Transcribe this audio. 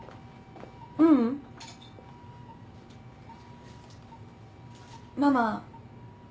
ううん。ママ。